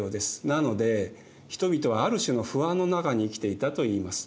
なので人々はある種の不安の中に生きていたといいます。